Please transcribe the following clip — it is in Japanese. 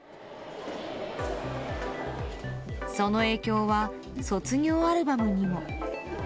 その影響は卒業アルバムにも。